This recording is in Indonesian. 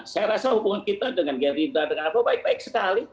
saya rasa hubungan kita dengan gerindra dengan apa baik baik sekali